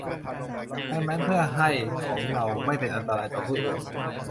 ดังนั้นเพื่อให้ ของเราไม่เป็นอันตรายต่อผู้อื่น